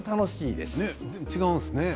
全部違うんですね。